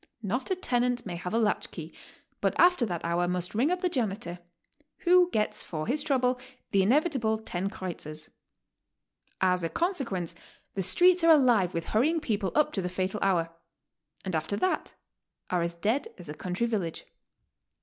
Not a tenant may have a latch key, but after that hour must ring up the janitor, who gets for his trouble the inevitable lO kreuzers. As a consequence the streets are alive with hurry ing people up to the fatal hour, and after that are as dead as a country village.